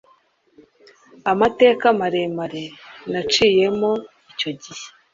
amateka maremare naciyemo icyo gihe